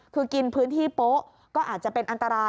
คือกินพื้นที่โป๊ะก็อาจจะเป็นอันตราย